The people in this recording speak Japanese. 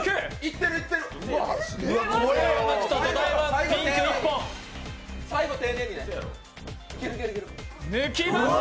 これを抜くと、土台はピンク１本抜きました！